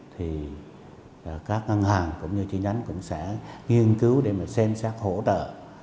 thì các ngân hàng cũng như chi nhánh cũng sẽ nghiên cứu để mà xem xét hỗ trợ